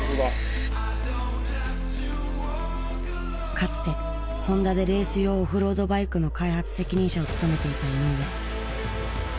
かつてホンダでレース用オフロードバイクの開発責任者を務めていた井上。